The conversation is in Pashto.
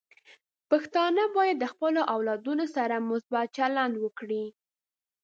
پښتانه بايد د خپلو اولادونو سره مثبت چلند وکړي.